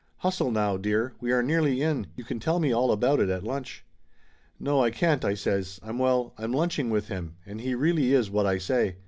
"Hustle now, dear; we are nearly in. You can tell me all about it at lunch." "No, I can't," I says. "I'm well, I'm lunching with him, and he really is what I say."